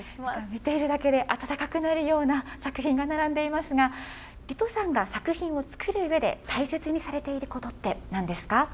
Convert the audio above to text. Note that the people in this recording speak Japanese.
見ているだけで温かくなるような作品が並んでいますが、リトさんが作品を作るうえで、大切にされていることってなんですか。